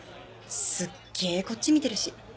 すっげえこっち見てるし。